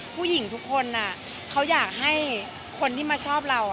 ผู้หญิงทุกคนเขาอยากให้คนที่มาชอบเรา